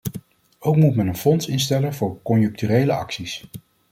Ook moet men een fonds instellen voor conjuncturele acties.